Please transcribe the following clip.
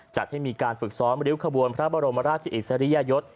จัดให้มีการฝึกซ้อมริ้วขบวนพระบรมราชอิสริยยศ